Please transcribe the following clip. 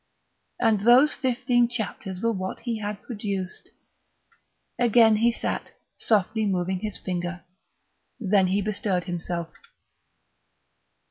And those fifteen sodden chapters were what he had produced! Again he sat, softly moving his finger.... Then he bestirred himself.